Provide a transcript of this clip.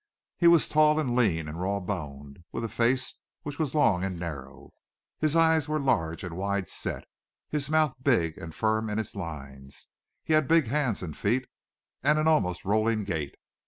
He was tall and lean and raw boned, with a face which was long and narrow; his eyes were large and wide set, his mouth big and firm in its lines; he had big hands and feet, and an almost rolling gait.